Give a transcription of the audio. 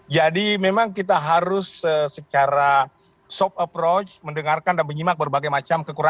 memang kita harus secara soft approach mendengarkan dan menyimak berbagai macam kekurangan